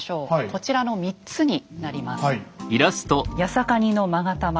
こちらの三つになります。